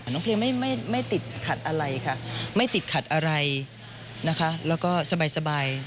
น้องเพลงไม่ติดขัดอะไรค่ะไม่ติดขัดอะไรนะคะแล้วก็สบาย